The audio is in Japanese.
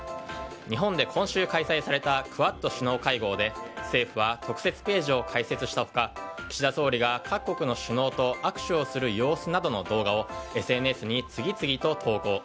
日本で今週開催されたクアッド首脳会合で政府は特設ページを開設した他岸田総理が各国の首脳と握手をする様子などの動画をＳＮＳに次々と投稿。